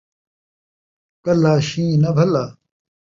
کلھا شین٘ہہ ناں بھلا